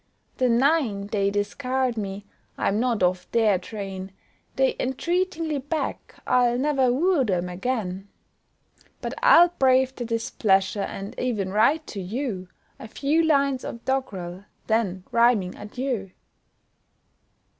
The nine they discard me, I'm not of their train, They entreatingly beg, "I'll ne'er woo them again;" But I'll brave their displeasure, and e'en write to you A few lines of doggrel, then rhyming adieu.